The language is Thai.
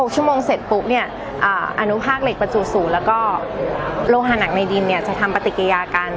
๖ชั่วโมงเสร็จปุ๊บเนี่ยอนุภาคเหล็กประจู๐แล้วก็โลหาหนักในดินเนี่ยจะทำปฏิกิยากัน